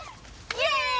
イエーイ！